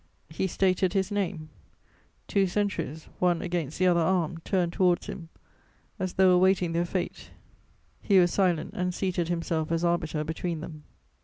"He stated his name: two centuries, one against the other armed, turned towards him, as though awaiting their fate; he was silent and seated himself as arbiter between them."